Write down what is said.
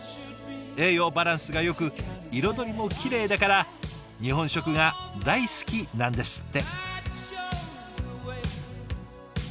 栄養バランスがよく彩りもきれいだから日本食が大好きなんですって。